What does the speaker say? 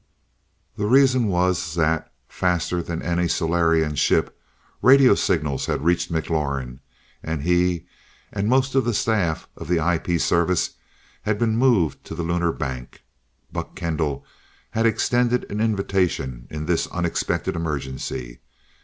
The reason was that, faster than any Solarian ship, radio signals had reached McLaurin, and he, and most of the staff of the IP service had been moved to the Lunar Bank. Buck Kendall had extended an invitation in this "unexpected emergency."